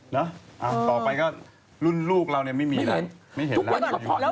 แล้วต่อไปก็รุ่นลูกเรานี่ไม่มีอะไรไม่เห็นอะไร